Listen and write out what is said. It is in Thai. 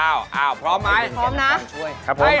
อ้าวพร้อมไหมพร้อมนะพร้อมช่วย